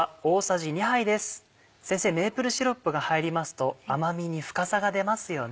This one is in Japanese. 先生メープルシロップが入りますと甘みに深さが出ますよね。